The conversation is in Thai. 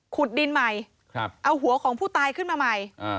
ขุดดินใหม่เอาหัวของผู้ตายขึ้นมาใหม่